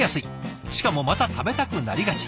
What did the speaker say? しかもまた食べたくなりがち。